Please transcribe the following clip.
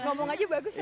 ngomong aja bagus ya